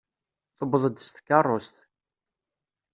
Tuweḍ-d s tkeṛṛust.